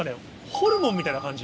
ホルモンみたいな感じ。